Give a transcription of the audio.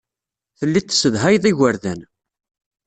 Telliḍ tessedhayeḍ igerdan.